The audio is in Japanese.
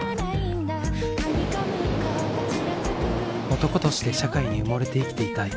男として社会に埋もれて生きていたい。